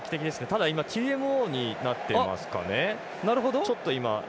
ただＴＭＯになっていますかね。